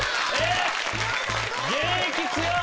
現役強っ！